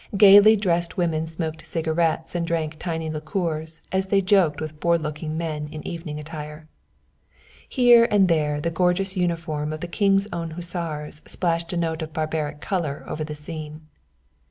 Gaily dressed women smoked cigarettes and drank tiny liqueurs as they joked with bored looking men in evening attire. Here and there the gorgeous uniform of the King's Own Hussars splashed a note of barbaric colour over the scene.